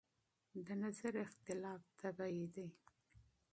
د نظر اختلاف طبیعي دی.